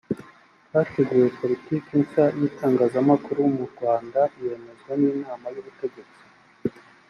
hateguwe politiki nshya y’itangazamakuru mu rwanda yemezwa n’inama y’ubutegetsi